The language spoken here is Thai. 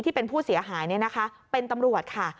ที่เป็นผู้เสียหายเนี่ยนะคะเป็นตำรวจค่ะ